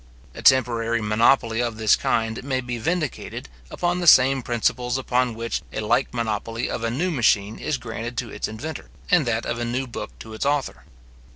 A temporary monopoly of this kind may be vindicated, upon the same principles upon which a like monopoly of a new machine is granted to its inventor, and that of a new book to its author.